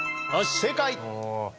正解。